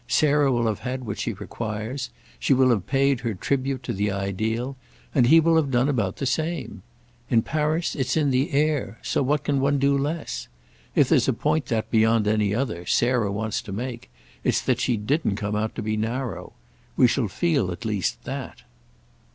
Sarah will have had what she requires—she will have paid her tribute to the ideal; and he will have done about the same. In Paris it's in the air—so what can one do less? If there's a point that, beyond any other, Sarah wants to make, it's that she didn't come out to be narrow. We shall feel at least that."